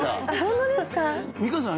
美香さん